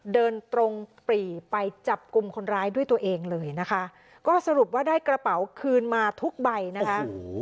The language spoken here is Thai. เดินตรงปรีไปจับกลุ่มคนร้ายด้วยตัวเองเลยนะคะก็สรุปว่าได้กระเป๋าคืนมาทุกใบนะคะ